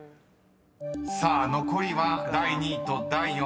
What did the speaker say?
［さあ残りは第２位と第４位］